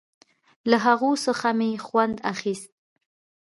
له هغو څخه مې خوند اخيست.